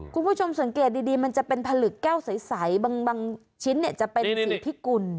คุณผู้ชมสังเกตดีมันจะเป็นผลึกแก้วใสบางชิ้นจะเป็นสีพิกุล